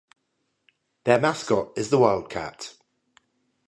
Their mascot is the Wildcat.